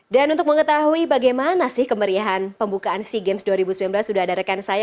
dan untuk mengetahui bagaimana sih kemeriahan pembukaan sea games dua ribu sembilan belas sudah ada rekan saya